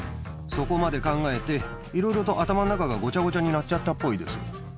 そこまで考えて、いろいろと頭の中がごちゃごちゃになっちゃったっぽいです。